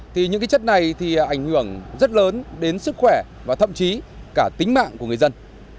thì những chất này thì ảnh hưởng rất lớn đến sức khỏe và thậm chí cả tính mạng của người dân